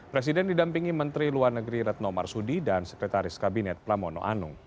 presiden didampingi menteri luar negeri retno marsudi dan sekretaris kabinet pramono anung